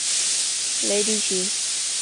雷迪奇。